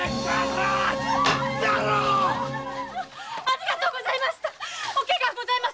ありがとうございましたおけがは？